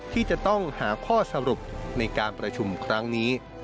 ที่จะต้องหาข้อสรุปในการประชุมครั้งนี้